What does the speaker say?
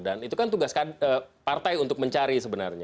dan itu kan tugas partai untuk mencari sebenarnya